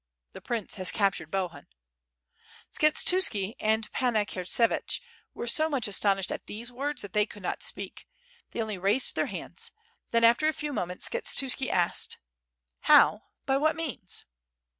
The prince has captured Hohun." Skshetuski and Panna Kurtsevich were so much aston ished at these words that they could not speak, they only raised their hands ;• then after a few moments Skshetuski asked : "How, by what means?"